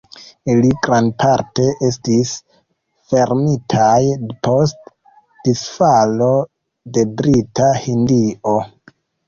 Ili grandparte estis fermitaj depost disfalo de Brita Hindio.